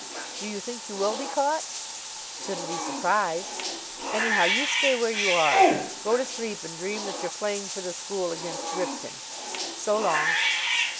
"Do you think you will be caught?" "Shouldn't be surprised. Anyhow, you stay where you are. Go to sleep and dream that you're playing for the school against Ripton. So long."